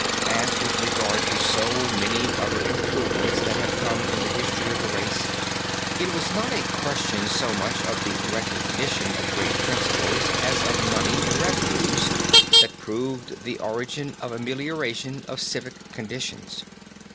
As with regard to so many other improvements that have come in the history of the race, it was not a question so much of the recognition of great principles as of money and revenues that proved the origin of amelioration of civic conditions.